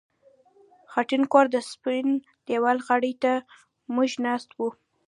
د خټین کور د سپین دېوال غاړې ته موږ ناست وو